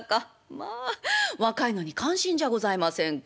まあ若いのに感心じゃございませんか」。